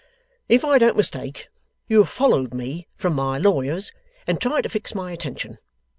'If I don't mistake, you have followed me from my lawyer's and tried to fix my attention.